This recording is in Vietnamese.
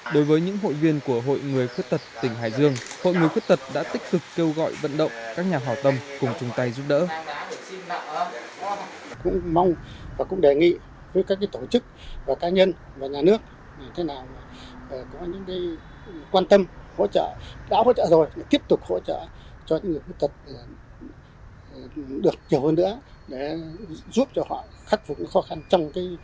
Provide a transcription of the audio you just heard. đối với những hội viên của hội người khuyết tật tỉnh hải dương hội người khuyết tật đã tích cực kêu gọi vận động các nhà hỏa tâm cùng chung tay giúp đỡ